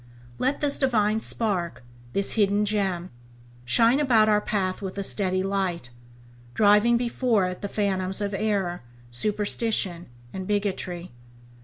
Let this divine spark, this hidden gem, shine about our path with a steady light, driving before it the phantoms of error, superstition, and bigotry.